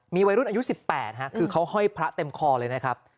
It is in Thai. มีวัยรุ่นอายุ๑๘คือเขาห้อยพระเต็มคอเลยนะครับ